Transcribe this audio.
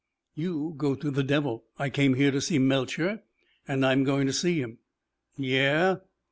"You go to the devil. I came here to see Melcher and I'm going to see him." "Yeah?"